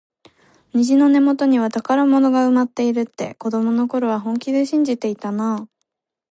虹の根元には宝物が埋まっているって、子どもの頃は本気で信じてたなあ。